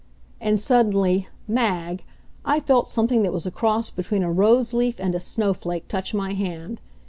And suddenly Mag! I felt something that was a cross between a rose leaf and a snowflake touch my hand.